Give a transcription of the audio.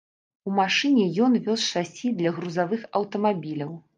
У машыне ён вёз шасі для грузавых аўтамабіляў.